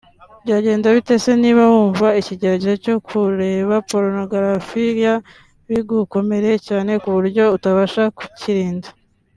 Byagenda bite se niba wumva ikigeragezo cyo kureba porunogarafiya kigukomereye cyane ku buryo utabasha kucyirinda